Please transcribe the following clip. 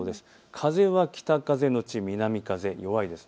風は北風のち南風、弱いです。